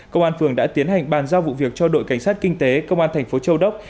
công an phường đã tiến hành bàn giao vụ việc cho đội cảnh sát kinh tế công an thành phố châu đốc